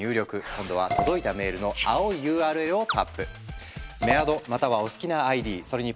今度は届いたメールの青いＵＲＬをタップ。